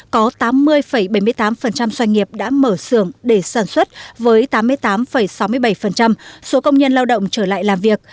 có tám mươi bảy mươi tám doanh nghiệp đã mở xưởng để sản xuất với tám mươi tám sáu mươi bảy số công nhân lao động trở lại làm việc